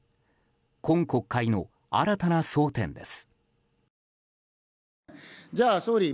今国会の新たな争点です。